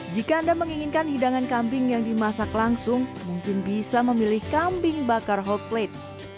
jika anda menginginkan hidangan kambing yang dimasak langsung mungkin bisa memilih kambing bakar hot plate